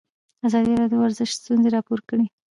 ازادي راډیو د ورزش ستونزې راپور کړي.